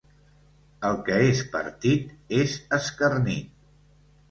El que és partit és escarnit.